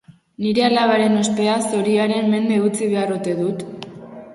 Nire alabaren ospea zoriaren mende utzi behar ote dut?